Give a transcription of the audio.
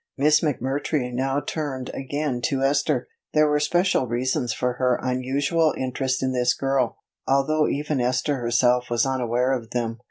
Miss McMurtry now turned again to Esther; there were special reasons for her unusual interest in this girl, although even Esther herself was unaware of them.